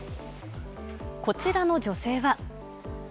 こちらの女性は。